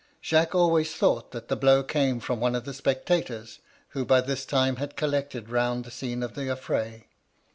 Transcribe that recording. Jacques always thought that that blow came from one of the spectators, who by this time had collected round the scene of the afiray.